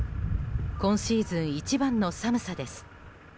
今シーズン一番の寒さです。